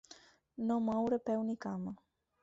No moure peu ni cama.